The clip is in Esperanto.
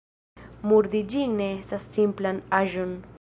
Murdi ĝin ne estas simplan aĵon.